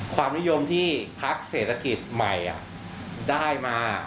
ความนิยมที่พักเศรษฐกิจใหม่ได้มา